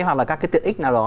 hoặc là các cái tiện ích nào đó